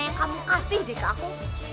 yang kamu kasih deh ke aku